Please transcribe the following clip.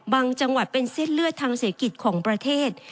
จังหวัดเป็นเส้นเลือดทางเศรษฐกิจของประเทศ